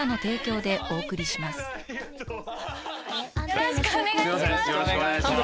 よろしくお願いします。